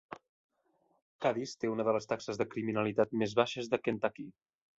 Cadis té una de les taxes de criminalitat més baixes de Kentucky.